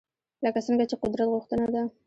لکه څنګه چې قدرت غوښتنه ده